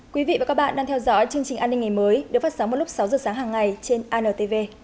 quý vị và các bạn đang theo dõi chương trình an ninh ngày mới được phát sóng vào lúc sáu giờ sáng hàng ngày trên antv